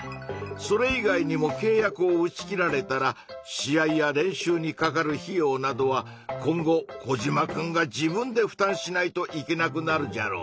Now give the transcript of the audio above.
それ以外にもけい約を打ち切られたら試合や練習にかかる費用などは今後コジマくんが自分でふたんしないといけなくなるじゃろうなぁ。